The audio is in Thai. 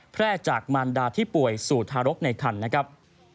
แพร่จากมารดาที่ป่วยสู่ทารกในคันนะครับ